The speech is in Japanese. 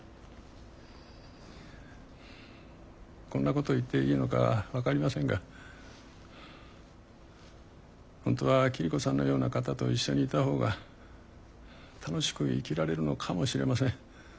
こんなこと言っていいのか分かりませんが本当は桐子さんのような方と一緒にいた方が楽しく生きられるのかもしれません。